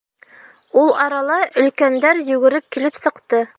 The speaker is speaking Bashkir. Ул арала өлкәндәр йүгереп килеп сыҡты.